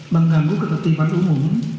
menganggu ketertiban umum